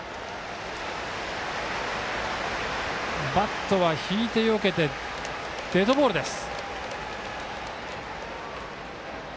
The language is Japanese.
バットは引いてよけてデッドボールです。